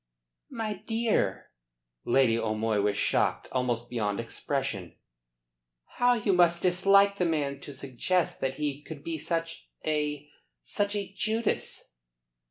"My dear!" Lady O'Moy was shocked almost beyond expression. "How you must dislike the man to suggest that he could be such a such a Judas."